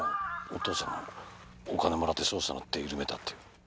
お父さんお金もらって捜査の手緩めたって。